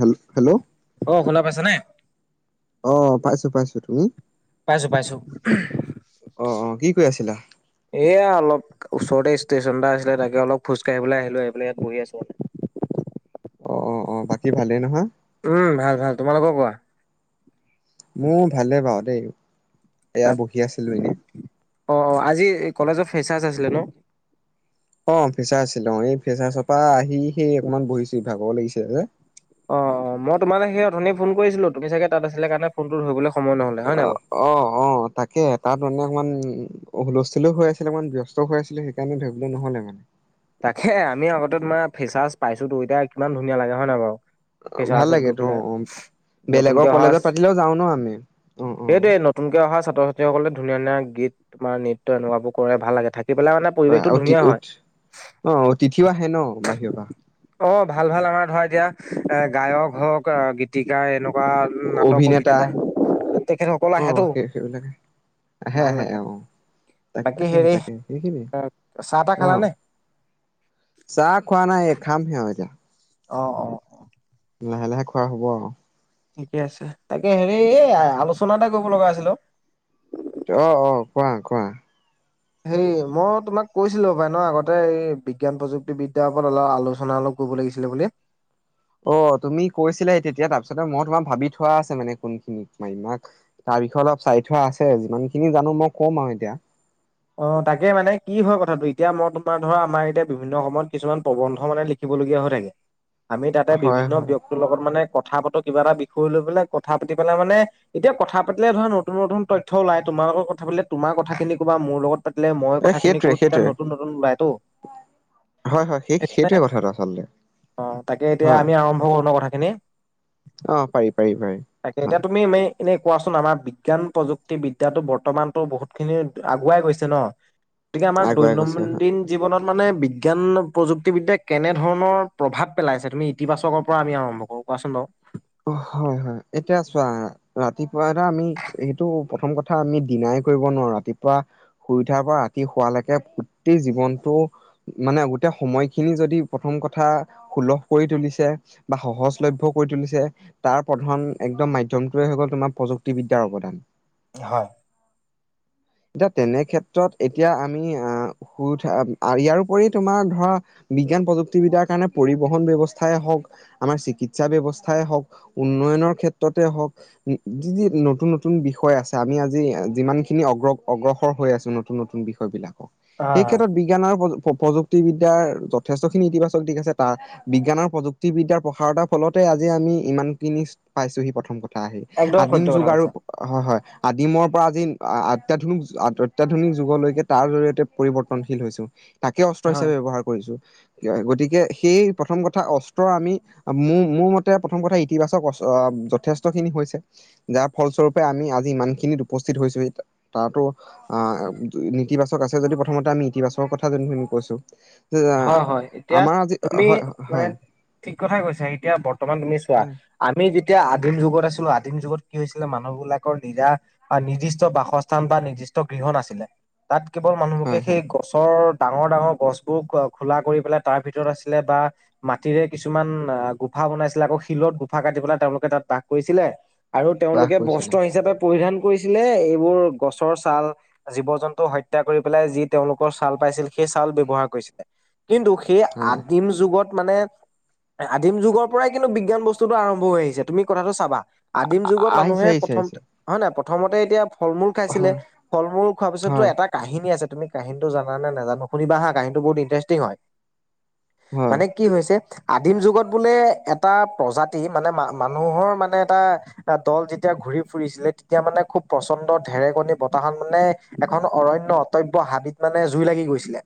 Hello hello অ শুনা পাইছানে? অ পাইছোঁ পাইছোঁ। তুমি? পাইছোঁ পাইছোঁ। অ অ কি কৰি আছিলা? এয়া অলপ ওচৰতে ষ্টেশচন এটা আছিলে তাকে অলপ খোজকাাঢ়িব আহিলোঁ আহিপেলাই ইয়াত বহি আছোঁ আৰু। [inaudible] অ অ অ বাকী ভালেই নহয়? উম ভাল ভাল তোমালোকৰ কোৱা? মোৰ ভালে বাওঁ দেই। ত এয়া বহি আছিলো এনে। অ অ আজি কলেজ অ ফেচাৰ্চ আছিলে ন? অ ফেচাৰ্চ আছিল। অ এই ফেচাৰ্চৰ পৰা আহি সেই অকনমান বহিছোঁ ভাগৰ লাগিছে যে। অ অ মই তোমালে সেই অথনি ফোন কৰিছিলোঁ। তুমি চাগে তাত আছিলে কাৰণে ফোনটো ধৰিবলৈ- সময় নহলে হয় নাই অ বাৰু? অ অ তাকে তাত মানে অকমান, হুলস্থুলও হৈ আছিলে মানে ব্যস্তও হৈ আছিলোও সেইকাৰণে ধৰিবলে নহ'লে আৰু। তাকে আমি আগতে তোমাৰ ফেচাৰ্চ পাইছোঁ টো এতিয়া কিমান ধুনীয়া লাগে হয় নাই বাৰু ভাল ফেচাৰ্চত লাগে গৈ তো পেলাই। অ বেলেগৰ নতুনকে অহা কলেজত পাতিলেও যাওঁ ন আমি। অ অ সেইটোৱে নতুনকে অহা- ছাত্ৰ ছাত্ৰীসকলে ধুনীয়া ধুনীয়া গীত বা নৃত্য এনেকাবোৰ কৰে ভাল লাগে থাকি। থাকি পেলাই মানে পৰিৱেশটো অতি ধুনীয়া উত হয়। অ অ তিথিও আহে ন বাহিৰৰ পৰা। অ ভাল ভাল আমাৰ ধৰা এতিয়া এ গায়ক হওঁক গীতিকাৰ এনেকুৱা- বা নাটক অভিনেতা তেখেতসকল অ আহেটো। সেই সেইবিলাক আহে আহে অ তাক বাকী তাকে হেৰি তাকে চাহ তাহ আহ। খালানে? চাহ খোৱা নাই এক খাম হে আও এতিয়া। অ অ অ। লাহে লাহে খোৱা হ'ব আৰু। ঠিকে আছে তাকে হেৰি আলোচনা এটা কৰিব লগা আছিল অ। অ অ কোৱা কোৱা। হেৰি মই তোমাক কৈছিলোঁ পায় ন আগতে এই বিজ্ঞান প্ৰযুক্তিবিদ্যাৰ ওপৰত অলপ আলোচনা- কৰিব লাগিছিলে বোলে। অ তুমি কৈছিলা তেতিয়া তাৰপিছতে মই তোমাৰ ভাবি থোৱা আছে মানে কোনখিনি মায়িম ৱা। তাৰিখে অলপ চাই থোৱা আছে যিমানখিনি জানো মই কম আৰু এতিয়া অ তাকে মানে কি হয় কথাটো এতিয়া মই ধৰা আমাৰ এতিয়া বিভিন্ন সময়ত কিছুমান প্ৰবন্ধ মানে লিখিবলগীয়া হৈ থাকে। আমি তাতে হয় বিভিন্ন হয় ব্যক্তিৰ লগত মানে কথা পাতো কিবা এটা বিষয় লৈ পেলাই। কথা পাতি পেলাই মানে এতিয়া কথা পাতিলে ধৰা নতুন নতুন তথ্য ওলাই তোমালোকৰ কথা তোমাৰ কথাখিনি ক'বা মোৰ লগত পাতিলে মই এ কথাখিনি সেইটোৱে কলো তেতিয়া সেইটোৱে নতুন নতুন ওলাই তো। হয় হয় সেই সেইটোৱে কথাটো আচলতে অ তাকে এতিয়া হয় আমি আৰম্ভ কৰো ন কথাখিনি অ পাৰি পাৰি পাৰি তাকে হয় এতিয়া তুমি মে এনেই কোৱাচোন আমাৰ বিজ্ঞান প্ৰযুক্তি বিদ্যাটো বৰ্তমানটো বহুত খিনি আগুৱাই গৈছে ন গতিকে আমাৰ আগুৱাই গৈছে হয় দৈনন্দিন জীৱনত মানে বিজ্ঞান প্ৰযুক্তিবিদ্যাক কেনেধৰণৰ প্ৰভাৱ পেলাইছে। তুমি ইতিবাচকৰ পৰা আমি আৰম্ভ কৰোঁ। কোৱাচোন বাও অ হয় হয় এতিয়া চোৱা ৰাতিপুৱা এটা আমি সেইটো প্ৰথম কথা আমি দিনাই কৰিব নোৱাৰো ৰাতিপুৱা শুই উঠাৰ পৰা ৰাতি শুৱালৈকে গোটেই জীৱনটো মানে এতিয়া সময়খিনি যদি প্ৰথম কথা সুলভ কৰি তুলিছে বা সহজলভ্য কৰি তুলিছে তাৰ প্ৰধান একদম মাধ্যমটোৱে হৈ গ'ল তোমাৰ প্ৰযুক্তিবিদ্যাৰ অৱদান। হয়। এতিয়া তেনে ক্ষেত্ৰত এতিয়া আমি শুই উঠাৰ ইয়াৰপৰি তোমাৰ ধৰা বিজ্ঞান প্ৰযুক্তিবিদ্যাৰ কাৰণে পৰিবহণ ব্যৱস্থাই হওক আমাৰ চিকিৎসা ব্যৱস্থাই হওক উন্নয়নৰ ক্ষেত্ৰতে হওক যি যি নতুন নতুন বিষয় আছে আমি আজি যিমানখিনি অগ্ৰ অগ্ৰসৰ হৈ আছো নতুন নতুন বিষয় বিলাকক হয় সেই হয় ক্ষেত্ৰত বিজ্ঞানৰ প্ৰ- প্ৰযুক্তিবিদ্যাৰ যথেষ্ট খিনি ইতিবাচক দিশ আছে তাৰ বিজ্ঞান আৰু প্ৰযুক্তিবিদ্যাৰ প্ৰসাৰতাৰ ফলতে আজি আমি ইমানখিনি পাইছো সি প্ৰথম কথা আহি একদম আদিম সত্য যুগ কথা আৰু কৈছা হয় হয় আদিমৰ পৰা আজি অত্যাধুনিক অত্যাধুনিক যুগলৈকে তাৰ জৰি়য়তে পৰিৱৰ্তনশীল হৈছো। তাকে অস্ত্ৰ হয় হিচাপে ব্যৱহাৰ কৰিছো। গতিকে সেই প্ৰথম কথা অস্ত্ৰ আমি মোৰ মোৰ মতে প্ৰথম কথা ইতিবাচক যথেষ্ট খিনি হৈছে যাৰ ফলস্বৰূপে আমি আজি ইমান খিনিত উপস্থিত হৈ তাতো আহ ইতিবাচক আছে যদি প্ৰথমতে আমি ইতিবাচকৰ কথা যোনখিনি কৈছো হয় হয় এতিয়া আমাৰ আজি তুমি হয় মানে হয় ঠিক কথাই কৈছা এতিয়া বৰ্তমান তুমি চোৱা আমি যেতি- এতিয়া আদিম যুগত আছিলো আদিম যুগত কি হৈছিলে মানুহ বিলাকৰ নিজা নিৰ্দিষ্ট বাসস্থান বা নিৰ্দিষ্ট গৃহত আছিলে তাত কেৱল মানুহবিলকে হয় সেই হয় গছৰ ডাঙৰ ডাঙৰ গছ খোলা কৰি পেলাই তাৰ ভিতৰত আছিলে বা মাটিৰে কিছুমান গুফা বনাইছিলে আকৌ শিল গোফা কাটি পেলাই তেওঁলোকে তাত বাস কৰিছিলে আৰু বাস তেওঁলোকে কৰিছিলে বস্ত্ৰ হিচাপে পৰিধান কৰিছিলে এইবোৰ গছৰ ছাল জীৱ জন্তু হত্যা কৰি পেলাই যি তেওঁলোকৰ ছাল পাইছিল সেই চাল ব্যৱহাৰ কৰিছিলে কিন্তু সেই হয় আদিম যুগত মানে আদিম যুগৰ পৰাই কিন্তু বিজ্ঞান বস্তুটো আৰম্ভ হৈ আহিছে তুমি কথাটো চাবা। আদিম যুগত আহিছে মানুহে আহিছে আহিছে প্ৰথমতে হয় নাই প্ৰথমতে এতিয়া ফল মূল খাইছিলে হয় ফল মূল খোৱাৰ পিছতটো হয় এটা কাহিনী আছে তুমি কাহিনটো জানে নাজানো শুনিবা হা কাহিনী বহুত ইন্তাৰেষ্টিং হয় হয় মানে কি হৈছে আদিমজুগত বোলে এট এটা প্ৰজাতি মানে মা মানুহৰ মানে এটা দল যেতিয়া ঘূৰি ফুৰিছিলে তেতিয়া মানে খুব প্ৰচণ্ড ঢেৰেকণী বতাহ মানে এখন অৰণ্য অ্তব্য হাবিত মানে জুই লাগি গৈছিলে।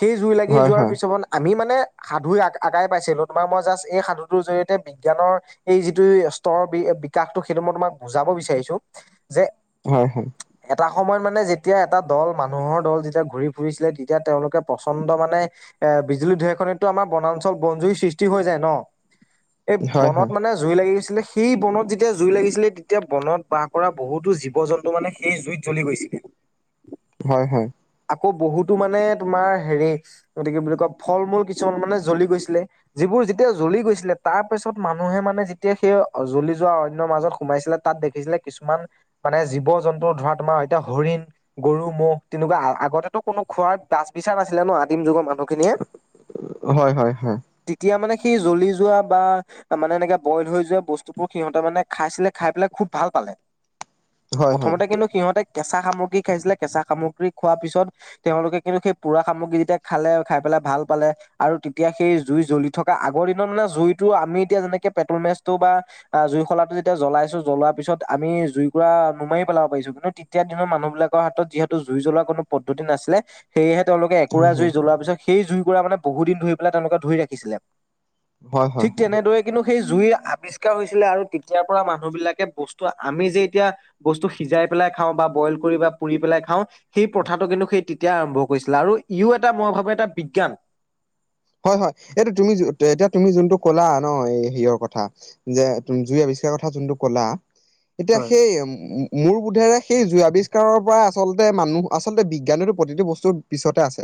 সেই জুই লাগি হয় যোৱাৰ হয় পিছত আমি মানে সাধু আগাই পাইছিলো তোমাৰ মই জাষ্ট এই সাধু তৰ জৰিয়তে বিজ্ঞানৰ এই যিটো স্তৰ বিকাশটো সেইটো মই তোমাক বুজাব বিচাৰিছো যে হয় হয় এটা সময়ত মানে যেতিয়া এটা দল মানুহৰ দল যেতিয়া ঘূৰি ফুৰিছিলে তেতিয়া তেওঁলোকে প্ৰচণ্ড মানে এ বিজুলী ধেৰেকণিতটো দি আমাৰ বনাঞ্চল বনজুৰি সৃষ্টি হৈ যায় ন এই হয় বনত মানে জুই লাগি গৈছে সেই বনত যেতিয়া জুই লাগিছিলে তেতিয়া বনত বাস কৰা বহুতো জীৱ জন্তু মানে সেই জুইত জ্বলি গৈছিল [inaudible] হয় হয়। আকৌ বহুতো মানে তোমাৰ হেৰি গতিকে বুলি কয় ফল মূল কিছুমান মানে জ্বলি গৈছিলে। যিবোৰ যেতিয়া জ্বলি গৈছিলে তাৰ পাছত পছত মানুহে মানে যেতিয়া সেই জ্বলি যোৱা অৰণ্যৰ মাজত সোমাইছিলে তাত দেখিছিলে কিছুমান মানে জীৱ জন্তু ধৰা তোমাৰ এতিয়া হৰিণ, গৰু, ম'হ তেনেকুৱা আগতেতো কোনো খোৱাৰ বাচ বি ইচা নাছিলে ন আদিম যুগৰ মানুহখিনিয়ে। হয় হয় হয় তেতিয়া মানে সি জ্বলি যোৱা বা মানে এনেকে বইল হৈ যোৱা বস্তু বোৰ সিহঁতে মানে খাইছিলে খাই পেলাই খুব ভাল পাল। হয় হয় হয় হয় প্ৰথমতে কিন্তু সিহঁতে কেঁচা সামগ্ৰী খাইছিলে, কেঁচা সামগ্ৰী খোৱাৰ পিছত তেওঁলোকে কিন্তু সেই পুৰা সামগ্ৰী যেতিয়া খালে খাই পেলাই ভাল পালে আৰু তেতিয়া সেই জুই জ্বলি থকা আগৰ দিনৰত মানে জুইত টো আমি এতিয়া যেনেকে পেট্ৰল মেচটো বা জুই খলা টো যেতিয়া জ্বলাইছো জ্বলোৱাৰ পিছত আমি জুইকুৰা নুমাৰি পেলাব পাৰিছো। কিন্তু তেতিয়া দ দিনৰ মানুহবিলাকৰ হাতত যিহেতু জুই জ্বলোৱা কোন পদ্ধতি নছিলে সেয়েহে তেওঁলোকে এককোৰা হয় জুই হয় জ্বলোৱাৰ পিছত সেই জুইকুৰা মানে বহুদিন ধৰি পেলাই তেওঁলোকে ধৰি ৰাখিছিলে হয় হয় ঠিক হয়। তেনেদৰে কিন্তু সেই জুই আৱিষ্কাৰ হৈছিলে আৰু তেতিয়াৰ পৰা মানুহ বিলাকে বস্তু আমি যে এতিয়া বস্তু সিজাই পেলাই খাওঁ বা বইল কৰি পুৰি পেলাই খাওঁ সেই প্ৰথাটো কিন্তু সেই তেতিয়া আৰম্ভ ক গৈছিলে আৰু ইও এটা মই ভাবো এটা বিজ্ঞান। হয় হয় এইটো তুমি এতিয়া তুমি যোনটো কলা ন হেয়ৰ কথা যে জুই আ [unintelligible] কথা যোনটো কলা এতিয়া হয় সেই মো বোধে যে সেই জ আৱিষ্কাৰৰ পৰাই আচলতে মানুহ আচলতে বিজ্ঞানো প্ৰতিটো বস্তুৰ পিছতে আছে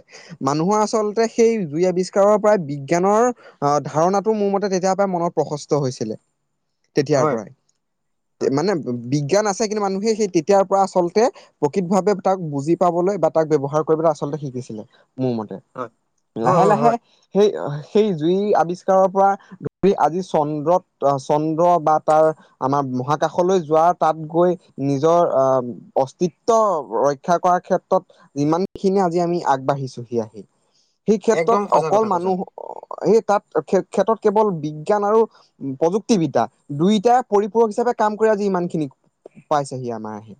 মানুহৰ আচলতে সেই জুই আৱিষ্কাৰ কাৰৰ পৰাই বিজ্ঞানৰ আহ ধাৰণাটো মোৰ মতে তেতিয়াৰ পৰাই মনত প্ৰশস্ত হৈছিলে। তেতিয়াৰ হয় পৰাই হয় মানে বিজ্ঞান আছে, কিন্তু মানুহে সেই তেতিয়াৰ পৰা আচলতে প্ৰকৃত ভাৱে তাক বুজি পাবলৈ বা তাক ব্যৱহাৰ কৰিব আচলতে শিকিছিলে, মোৰ মতে। হয় হয় লাহে হয় লাহে হয় সেই সেই জুই আৱিষ্কাৰৰ পৰা ধৰি আজি চন্দ্ৰত চন্দ্ৰ বা তাৰ আমাৰ মহাকাশলৈ যোৱা তাত গৈ নিজৰ আহ অস্তিত্ব ৰক্ষ ৰক্ষা কৰাৰ ক্ষেত্ৰত যিমানখিনি আজি আমি আগবাঢ়িছো সেই আহি। সেই ক্ষেত্ৰত একদম সঁচা অকল কথা কৈছা। মানুহ সেই তাত ক্ষেত্ৰত কেৱল বিজ্ঞান আৰু প্ৰযুক্তিবিদ্যা দুইটাই পৰিপূৰক হিচাপে হিচাপে কাম কৰি আজি ইমান খিনি পাইছেহি আমাৰ আহি।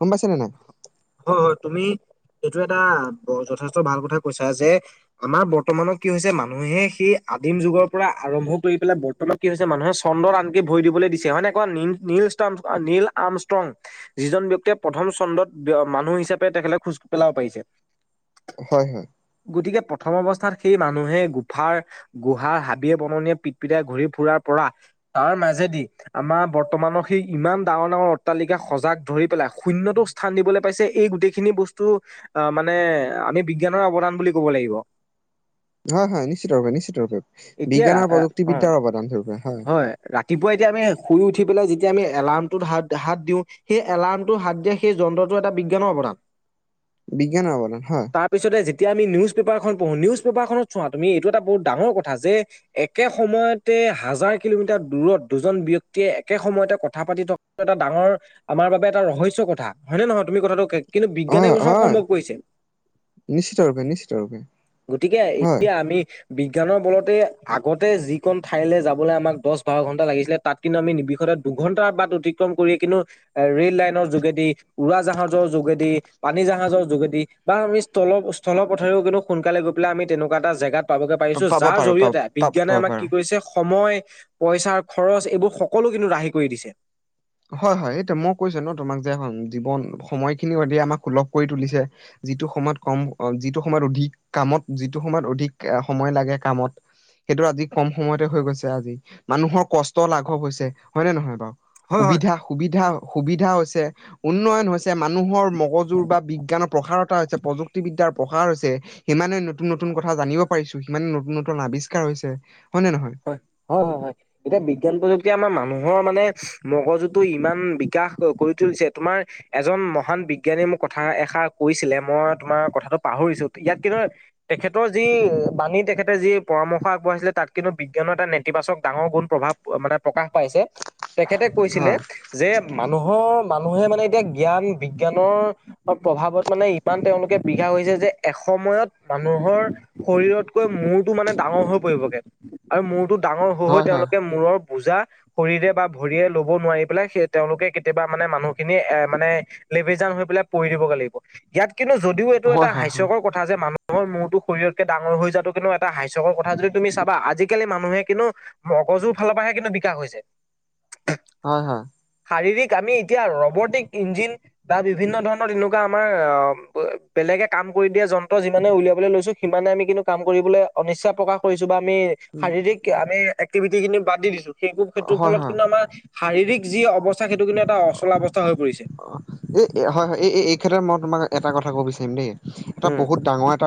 গম পাইছে নে নাই? হয় হয় তুমি এইটো এ যথেষ্ট ভাল কথা কৈছা, যে আমাৰ বৰ্তমানত কি হৈছে মানুহে সেই আদিম যু যুগৰ পৰা আৰম্ভ কৰি পেলাই বৰ্তমান কি হৈছে মানুহে চন্দত আনকি ভৰি দিবলৈ দিছে হয় নাই কোৱা? নি নিল নীল আমষ্ট্ৰং যিজন ব্যক্তিয়ে প্ৰথম খণ্ডত মানুহ হিচাপে তেখেলে খোজ পেলাব পাৰিছে। হয় হয়। গতিকে প্ৰথম অৱস্থাত সেই মানুহে গুফাৰ গুহাৰ হাবিয়ে বননিয়ে পিটপিটাই ঘূৰি ফুৰাৰ পৰা তাৰ মাজেদি, আমাৰ বৰ্তমানৰ সেই ইমান ডাঙৰ ডাঙৰ অট্টালিকা সজাগ ধৰি পেলাই শূন্যতটো স্থান দিবলৈ পাইছে এই গোটেইখিনি বস্তু আহ মানে আমি বিজ্ঞানৰ অৱদান বুলি ক'ব লাগিব। হয় হয় নিশ্চিতৰূপে নিশ্চিত ৰূপে। এতিয়া ৰা বিজ্ঞান আৰু ৰা অ প্ৰযুক্তিবিদ্যাৰ অৱদান সৰপে হয়। যেতিয়া আমি শুই উঠি পেলাই যেতিয়া আমি এলাৰ্মটোত হাত হাত দিওঁ সেই এলাৰ্মটো হাত দিয়া সেই যন্ত্ৰটো এটা বিজ্ঞানৰ অৱদান। বিজ্ঞানৰ অৱদান হয়। এতিয়া আমি নিউজ পেপাৰখন পঢ়ো নিউজ পেপাৰখনত চোৱা তুমি এইটো এটা বহুত ডাঙৰ কথা যে একে সময়তে হাজাৰ কিলোমিটাৰ দূৰত দুজন ব্যক্তিয়ে একে সময়তে কথা পাতি থকাটো এটা ডাঙৰ আমাৰ বাবে এটা ৰহস্য কথা হয় নে নহয় তুমি কথাটো? কিন্তু বিজ্ঞান এই হয় বছৰ হয় সম্ভৱ কৰিছে। নিশ্চিত ৰূপে নিশ্চিত ৰূপে গতিকে হয়। এতিয়া আমি বিজ্ঞানৰ বলতে আগতে যিখন ঠাইলে যাবলে আমাক দছ-বাৰ ঘণ্টা লাগিছিলে, তাত কিন্তু আমি নিৰবিষদ দুঘন্টাৰ বাট অতিক্ৰম কৰিয়ে কিনো এ ৰেল লাইনৰ যোগেদি, উৰা জাহাজৰ যোগেদি পানী জাহাজৰ যোগেদি, বা আমি স্থল-স্থলৰ পথেৰেও কিন্তু সোনকালে গৈ পেলে আমি তেনেকুৱা এটা জেগাত পাবগে পাৰিছো, পাব যাৰ পাৰো পাব জৰিয়তে পাব বিজ্ঞানে আমাক পাৰো কি কৰিছে সময়, পইচাৰ খৰচ, এইবোৰ সকলো কিন্তু ৰাহি কৰি দিছে। হয় হয়, এইটো মই কৈছো ন তোমাক যে এ জীৱন সময়খিনিও আমাক সুলভ কৰি তুলিছে যিটো সময়ত কম অ, যিটো সময়ত অধিক কামত যিটো সময়ত অধিক সময় লাগে কামত সেইটো আজি কম সময়তে হৈ গৈছে আজি। মানুহৰ কষ্ট লাঘৱ হৈছ, হয় নে নহয় বাৰু? হয় হয় সুবিধা, সুবিধা সুবিধা হৈছে, উন্নয়ন হৈছে, মানুহৰ মগজুৰ বা বিজ্ঞানৰ প্ৰসাৰতা হৈছে, প্ৰযুক্তি বিদ্যাৰ াৰ প্ৰসাৰ হৈছে, সিমানে নতুন নতুন কথা জানিব পাৰিছো, সিমানে নতুন নতুন আৱিষ্কাৰ হৈছে। হয় নে নহয় হয়, হয় হয় হয়, এতিয়া বিজ্ঞান প্ৰযুক্তি এতিয়া আমাৰ মানুহৰ মানে মগজুতটো ইমান বিকাশ কৰি তুলিছে, তোমাৰ এজন মহান বিজ্ঞানীয়ে মোক কথা এষাৰ কৈছিলে, মই তোমাৰ কথাটো পাহৰিছো। ইয়াত কি ধৰ তেখেতৰ যি বাণী, তেখেতে যি পৰামৰ্শ আগবঢ়াইছিলে তাত কিন্তু বিজ্ঞানৰ এটা নেতিবাচক ডাঙৰ গুণ প্ৰভাৱ মানে প্ৰকাশ পাইছে তেখেতে কৈছিলে, হয় যে মানুহৰ মানুহে মানে এতিয়া জ্ঞান বিজ্ঞানৰ প্ৰভাৱত মানে ইমান তেওঁলোকে বিঘা হৈছে যে, এখ সময়ত মানুহৰ শৰীৰতকৈ মূৰটো মানে ডাঙৰ হৈ পৰিবগে। আৰু মূৰটো ডাঙৰ হৈ হৈ হয় তেওঁলোকে মূৰৰ বুজা, শৰীৰে বা ভৰিয়ে লব নোৱাৰি পেলাই সেই তেওঁলোকে কেতিয়াবা মানে মানুহখিনি এ মানে লেভিজান হৈ পেলাই পৰি দিবগে লাগিব। ইয়াত কিন্তু যদিও এইটো হয় এটা হয় হয় হাস্যকৰ কথা যে মানুহ হৰ মোৰটো শৰীৰতকে ডাঙৰ হৈ যোৱাটো কিন্তু এটা হাস্যকৰ কথা, যদি তুমি চা বা আজিকালি মানুহে কিন্তু মগজুৰ ফালৰ পৰাহে কিন্তু বিকাশ হৈছে। হয় হয় হয় শাৰীৰিক আমি এতিয়া ৰবৰ্তিক ইঞ্জিন বা বিভিন্ন ধৰণৰ তেনেকুৱা আমাৰ অ বেলেগে কাম কৰি দিয়া যন্ত্ৰ যিমানে উলিয়াবলৈ লৈছো, সিমানে আমি কিন্তু কাম কৰিবলে অনিচ্ছা প্ৰকাশ কৰিছো বা আমি শাৰীৰিক আমি এক্টিভিটিখিনি বাদ দি দিছো, সেই হয় সেইটোৰ হয় ফলত হয় কিন্তু আমাৰ শাৰীৰিক যি অৱস্থা সেইটো কিন্তু এটা অচলা অৱস্থা হৈ পৰিছে। অ', এই হয় হয় এই এই ক্ষেত্ৰত মই তোমাক এটা কথা কব বিচাৰিম দেই এটা উম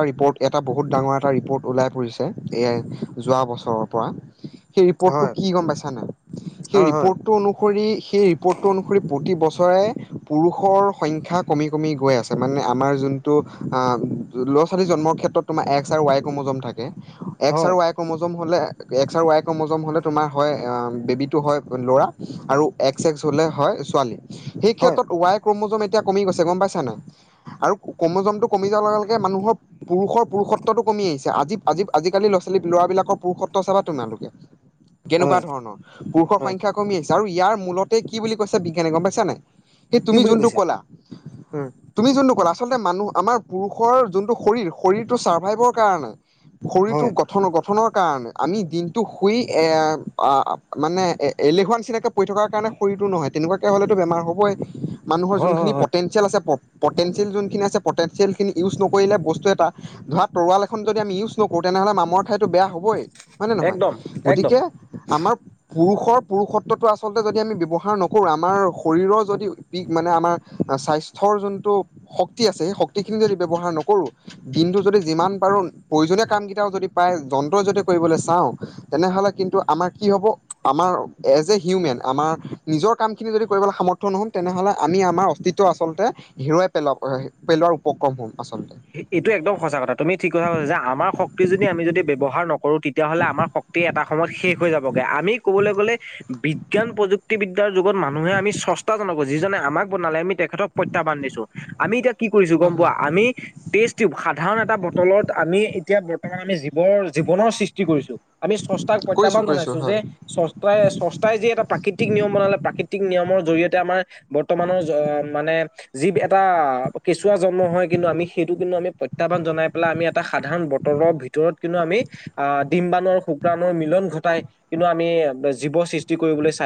ৰিপৰ্ট, এটা বহুত ডাঙৰ এটা ৰিপৰ্ট ওলাই পৰিছে, এয়াই যোৱা বছৰৰ পৰা সেই ৰিপৰ্টো হয় কি গম পাইছা নাই, সেই হয় হয় ৰিপৰ্টো অনুহৰি সেই ৰিপৰ্টটো অনুহৰি প্ৰতি বছৰ পুৰুষৰ সংখ্যা কমি কমি গৈ আছে, মানে আমাৰ যোনটো আ ল'ৰা-ছোৱালী জন্ম মৰ ক্ষেত্ৰত‌ তোমাৰ এক্স আৰু ৱাই ক্ৰমজম থাকে, এক্স হয় আৰু ৱাই ক্ৰমজম হলে এক্স আৰু ৱাই ক্ৰমোজম হলে তোমাৰ হয় অম, বেবিটো হয় লৰা আৰু এক্স এক্স হলে হলে হয় ছোৱালী। হয় ত', ৱাই ক্ৰমোজম এতিয়া কমি গৈছে গম পাইছা নাই। আৰু ক্ৰমোজমটো কমি যোৱাৰ লগে লগে মানুহৰ পুৰুষৰ পুৰুষত্বটো কমি আহিছে, আজি আজি আজিকালি ল'ৰাবিলাকৰ পুৰুষত্ব চাবা তোমালোকে কেনেকুৱা হয় ধৰণৰ, পুৰুষৰ হয় সংখ্যা কমি আহিছে আৰু ইয়াৰ মূলতে কি বুলি কৈছে বিজ্ঞানে, গম পাইছা নাই? সেই কি তুমি বুলি যোনটো কৈছে ক'লা, উম তুমি যোনটো ক'লা আচলতে মানুহ, আমাৰ পুৰুষৰ যোনটো শৰীৰ শৰীৰটো চাৰ্ভাইভৰ কাৰণে শৰীৰটো হয়। গঠন গঠনৰ কাৰণে, আমি দিনটো শুই এ আ মানে এ-এলেহুৱা নিচিনাকে পৰি থকাৰ কাৰণে শ টো নহয় তেনেকুৱাকে হলেটো বেমাৰ হ'ব [inaudible] মানুহৰ হয় যোনখিনি হয় পটেঞ্চিয়েল আছে প-পটেঞ্চিয়েল যোনখিনি আছে, পটেনঞ্চিয়েলখিনি ইউজ নকৰিলে বস্তু এটা ধৰা তৰোৱাল এখন যদি আমি ইউজ নকৰোঁ তেনেহ'লে মামৰ খায়তো বেয়া হ'বই হয়নে নহয়, একদম একদম। গতিকে আমাৰ পুৰুষৰ পুৰুষত্বটো আচলতে যদি আমি ব্যৱহাৰ নকৰোঁ, আমাৰ শৰীৰৰ যদি দি মানে আমাৰ স্বাস্থ্যৰ যোনটো শক্তি আছে, সেই শক্তিখিনি যদি ব্যৱহাৰ নকৰোঁ কিন্তু যদি যিমান পাৰো প্ৰয়োজনীয় কাম কেইটাও যদি পায় যন্ত্ৰই যদি কৰিবলৈ চাওঁ তেনেহ'লে কিন্তু- আমাৰ কি হ'ব আমাৰ এজ এ হিউমেন আমাৰ নিজৰ কামখিনি যদি কৰিবলৈ সামৰ্থ নহম- তেনেহ'লে আমি আমাৰ অস্তিত্ব আচলতে হেৰুৱাই পেলওঁ পেলোৱাৰ উপক্ৰম হ'ম। আচলতে এইটো একদম সঁচা কথা তুমি ঠিক কথা কৈছা যে আমাৰ শক্তি যদি আমি যদি- ব্যৱহাৰ নকৰো তেতিয়াহ'লে আমাৰ শক্তি এটা সময়ত শেষ হৈ যাবগে। আমি ক'বলৈ গ'লে- বিজ্ঞান প্ৰযুক্তিবিদ্যাৰ যুগত মানুহে আমি চষ্টাজনকো যিজনে আমাক বনালে আমি তেখেতক প্ৰত্যাহ্বান দিছো। আমি এতিয়া কি কৰিছো হয় গম পোৱা হয় আমি টেচ তিওব সাধাৰণ এটা বটলত আমি- এতিয়া বৰ্তমান আমি জীৱৰ জী- বনৰ সৃষ্টি কৰিছো আমি সষ্টাক কৰিছোঁ প্ৰত্যাহ্বান কৰিছোঁ জনাইছো হয় যে সষ্টাই সষ্টাই যি এটা প্ৰাকৃতিক নিয়ম- বনালে প্ৰাকৃতি- নিয়মৰ জৰিয়তে আমাৰ বৰ্তমানৰ মানে যি এটা কেঁচুৱা জন্ম হয় কিন্তু আমি- সেইটো কিন্তু আমি প্ৰত্যাহ্বান জনাই পেলাই আমি এটা সাধাৰণ বতটৰৰ ভিতৰত কিন্তু আমি আহ ডিম বানৰু- সেইকাৰণে মিলন ঘটাই কিন্তু আমি জীৱ সৃষ্টি কৰিবলৈ চাই-